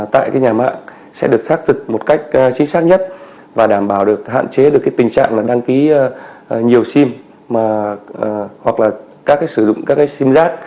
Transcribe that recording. tại cái nhà mạng sẽ được xác thực một cách chính xác nhất và đảm bảo được hạn chế được cái tình trạng là đăng ký nhiều sim hoặc là các cái sử dụng các cái sim giác